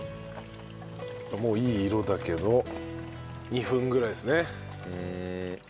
もういい色だけど２分ぐらいですね。